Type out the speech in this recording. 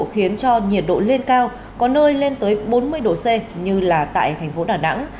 khiến cho nhiệt độ lên cao có nơi lên tới bốn mươi độ c như là tại thành phố đà nẵng